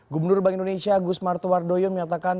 gubernur bank indonesia gus martowardoyon menyatakan